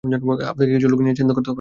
আপনাকে কিছু লোক নিয়ে চিন্তা করতে হবে না।